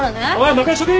任しとけ！